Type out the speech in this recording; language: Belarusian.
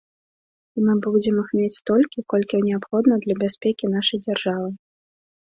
І мы будзем іх мець столькі, колькі неабходна для бяспекі нашай дзяржавы.